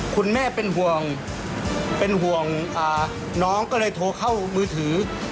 คุณแม่เป็นห่วงเป็นห่วงน้องก็เลยโทรเข้ามือถือ